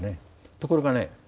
ところがね